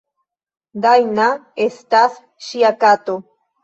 Dajna estas ŝia kato.